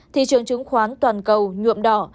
thị trường chứng khoán toàn cầu nhuộm đỏ